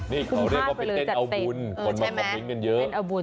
มีคนเขาเรียกว่าไปเต้นเอาบุญ